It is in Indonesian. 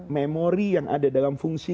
memori yang ada dalam fungsi